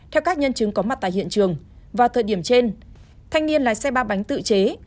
theo các nhân chứng có mặt tại hiện trường vào thời điểm trên thanh niên lái xe ba bánh tự chế